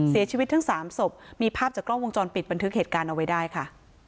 เสียชีวิตทั้งสามศพมีภาพจากกล้องวงจรปิดบันทึกเหตุการณ์เอาไว้ได้ค่ะ